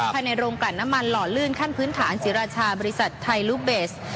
ภายในโรงกลั่นน้ำมันหล่อลื่นขั้นพื้นฐานศรีราชาบริษัทไทยลูกเบส